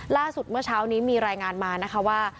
เมื่อเช้านี้มีรายงานมานะคะว่า